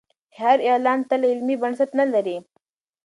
هر اعلان تل علمي بنسټ نه لري.